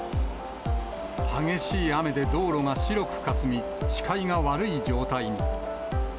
激しい雨で道路が白くかすみ、視界が悪い状態に。